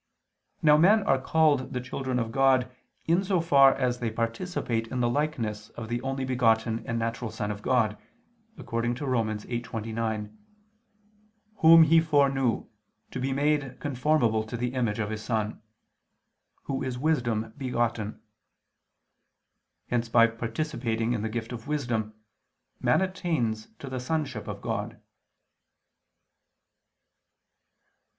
Now men are called the children of God in so far as they participate in the likeness of the only begotten and natural Son of God, according to Rom. 8:29, "Whom He foreknew ... to be made conformable to the image of His Son," Who is Wisdom Begotten. Hence by participating in the gift of wisdom, man attains to the sonship of God.